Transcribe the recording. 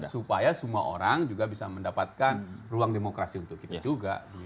supaya semua orang juga bisa mendapatkan ruang demokrasi untuk kita juga